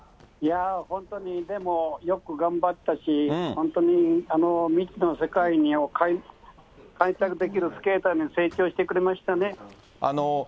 いや、本当によく頑張ったし、本当に未知の世界を開拓できるスケーターに成長してくれましたね。